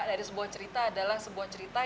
dari sebuah cerita adalah sebuah cerita